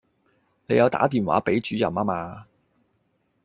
你有打電話畀主任吖嗎